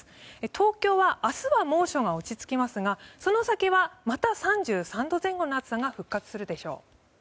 東京は明日は猛暑が落ち着きますがその先はまた３３度前後の暑さが復活するでしょう。